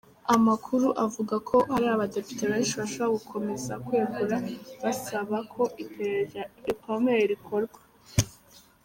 Amakuru avuga ko hari abadepite benshi bashobora gukomeza kwegura basaba ko iperereza rikomeye rikorwa.